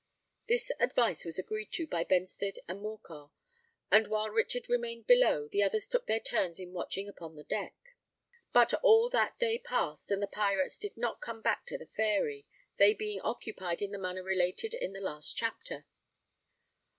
This advice was agreed to by Benstead and Morcar; and while Richard remained below, the others took their turns in watching upon the deck. But all that day passed; and the pirates did not come back to the Fairy—they being occupied in the manner related in the last chapter.